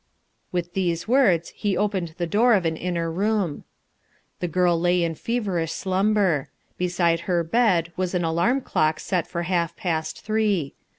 With these words he opened the door of an inner room. The girl lay in feverish slumber. Beside her bed was an alarm clock set for half past three.